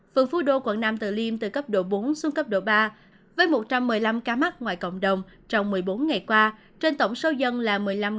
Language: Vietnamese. phường phú đô quận nam tử liêm từ cấp độ bốn xuống cấp độ ba với một trăm một mươi năm ca mắc ngoài cộng đồng trong một mươi bốn ngày qua trên tổng số dân là một mươi năm năm trăm sáu mươi sáu